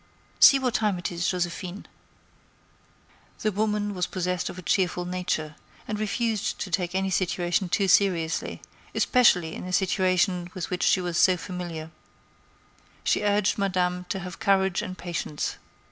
See what time it is, Joséphine." The woman was possessed of a cheerful nature, and refused to take any situation too seriously, especially a situation with which she was so familiar. She urged Madame to have courage and patience.